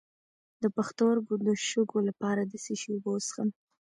د پښتورګو د شګو لپاره د څه شي اوبه وڅښم؟